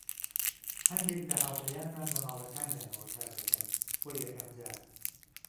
هەندێک لە هاوڕێیانمان لە ماڵەکانیانەوە کاردەکەن، بۆ یەکەم جار.